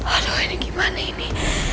aduh ini gimana ini